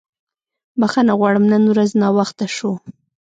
بښنه غواړم نن ورځ ناوخته شو.